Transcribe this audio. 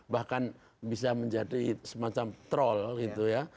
bahkan bisa menjadi semacam troll gitu ya